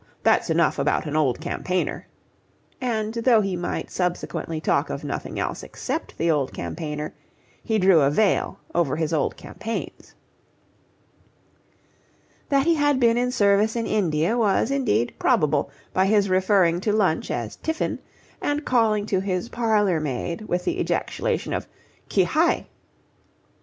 that's enough about an old campaigner"; and though he might subsequently talk of nothing else except the old campaigner, he drew a veil over his old campaigns. That he had seen service in India was, indeed, probable by his referring to lunch as tiffin, and calling to his parlour maid with the ejaculation of "Qui hi".